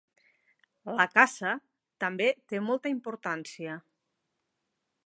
La caça també té molta importància.